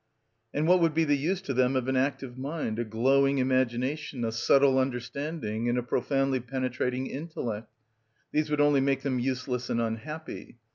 And what would be the use to them of an active mind, a glowing imagination, a subtle understanding, and a profoundly penetrating intellect? These would only make them useless and unhappy.